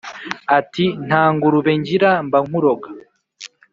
Ati: "Nta ngurube ngira mba nkuroga!